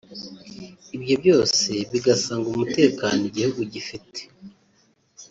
Ibyo byose bigasanga umutekano igihugu gifite